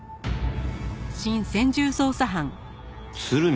鶴見